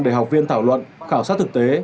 để học viên thảo luận khảo sát thực tế